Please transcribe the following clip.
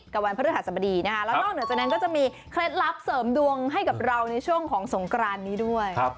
เคล็ดลับเสริมดวงให้กับเราในช่วงของสงกรานนี้ด้วย